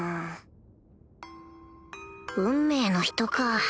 運命の人か